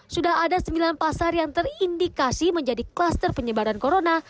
sudah ada sembilan pasar yang terindikasi menjadi kluster penyebaran corona